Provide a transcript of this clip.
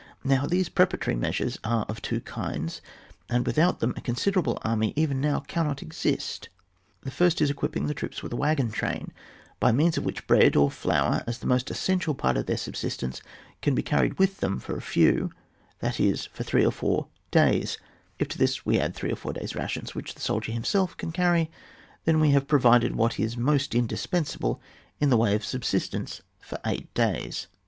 Now these preparatory measures are of two kinds, and without them a consi derable army even now cannot exist. The first is equipping the troops with a wagon train, by means of which bread or flour, as the most essential part of their subsistence, can be carried with them for a few, that is, for three or four days ; if to this we add three or four days' rations which the soldier himself can carry, then we have provided what is most indispensable in the way of subsistence for eight days.